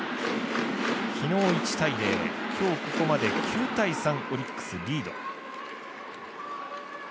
昨日１対０、今日、ここまで９対３、オリックスリード。